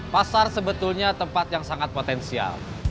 pasar sebetulnya tempat yang sangat potensial